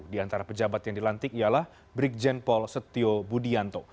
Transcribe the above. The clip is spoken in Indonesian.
di antara pejabat yang dilantik ialah brigjen paul setio budianto